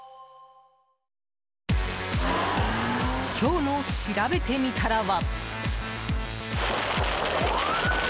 今日のしらべてみたらは。